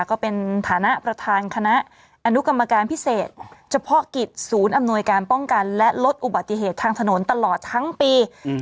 ก็เป็นฐานะประธานคณะอนุกรรมการพิเศษเฉพาะกิจศูนย์อำนวยการป้องกันและลดอุบัติเหตุทางถนนตลอดทั้งปี